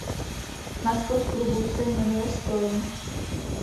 Maskot klubu se jmenuje "Storm".